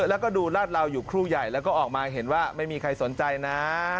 แล้วก็ดูลาดเหลาอยู่ครู่ใหญ่แล้วก็ออกมาเห็นว่าไม่มีใครสนใจนะ